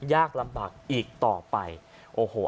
ขอเลยอย่าทำให้ประชาชนเสียความรู้สึกและตกในภาวะยากลำบากอีกต่อไป